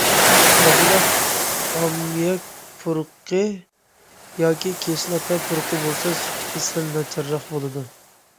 ئازراق ئاممىياك پۇرىقى ياكى كىسلاتا پۇرىقى بولسا سۈپىتى سەل ناچارراق بولىدۇ.